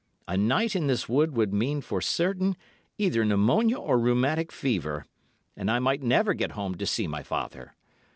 A night in this wood would mean for certain either pneumonia or rheumatic fever—and I might never get home to see my father.